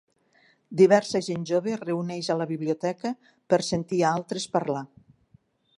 Diversa gent jove es reuneix a la biblioteca per sentir a altres parlar.